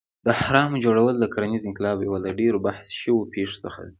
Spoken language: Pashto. د اهرامو جوړول د کرنیز انقلاب یو له ډېرو بحث شوو پېښو څخه دی.